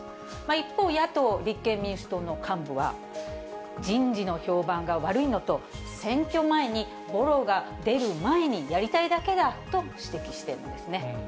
一方、野党・立憲民主党の幹部は、人事の評判が悪いのと、選挙前にぼろが出る前にやりたいだけだと指摘しているんですね。